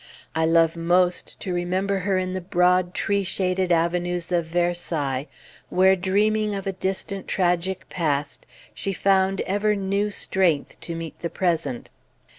I love most to remember her in the broad tree shaded avenues of Versailles where, dreaming of a distant tragic past, she found ever new strength to meet the present.